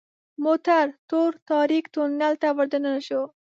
موټر تور تاریک تونل ته وردننه شو .